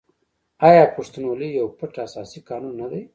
آیا پښتونولي یو پټ اساسي قانون نه دی؟